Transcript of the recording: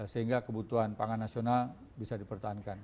sehingga kebutuhan pangan nasional bisa dipertahankan